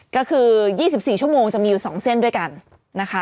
ก็คือ๒๔ชั่วโมงจะมีอยู่๒เส้นด้วยกันนะคะ